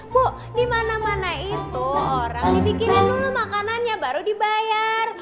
bu di mana mana itu orang dibikinin dulu makanannya baru dibayar